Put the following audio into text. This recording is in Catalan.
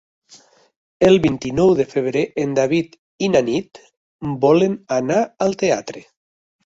El vint-i-nou de febrer en David i na Nit volen anar al teatre.